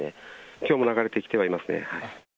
きょうも流れてきてはいますね。